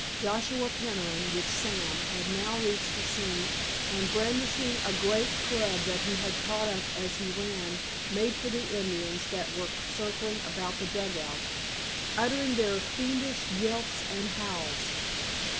Joshua Peniman, with Sam, had now reached the scene, and brandishing a great club that he had caught up as he ran made for the Indians that were circling about the dugout, uttering their fiendish yelps and howls.